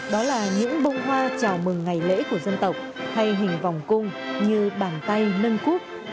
đó là những bông hoa chào mừng ngày lễ của dân tộc hay hình vòng cung như bàn tay nâng cúp